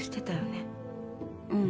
うん。